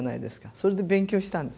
それで勉強したんです。